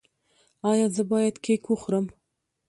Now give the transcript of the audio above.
ایا زه باید کیک وخورم؟